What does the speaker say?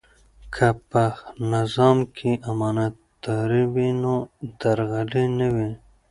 که په نظام کې امانتداري وي نو درغلي نه وي.